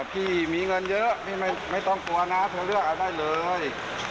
พี่มีเงินเยอะพี่ไม่ต้องกลัวนะเธอเลือกเอาได้เลย